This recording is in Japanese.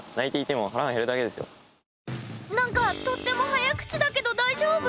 何かとっても早口だけど大丈夫？